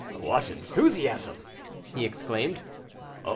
"What enthusiasm!" he exclaimed.